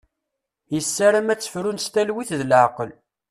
Yessaram ad tefrun s talwit d leɛqel.